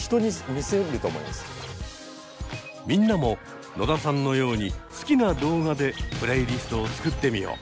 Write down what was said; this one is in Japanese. みんなも野田さんのように好きな動画でプレイリストを作ってみよう。